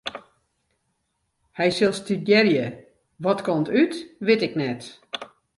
Hy sil studearje, wat kant út wit ik net.